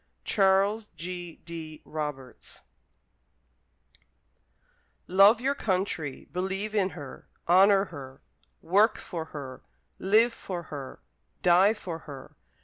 Charles G. D. Roberts Love your country, believe in her, honour her, work for her, live for her, die for her.